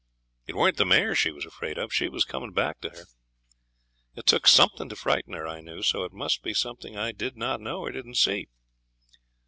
It weren't the mare she was afraid of. She was coming back to her. It took something to frighten her, I knew. So it must be something I did not know, or didn't see.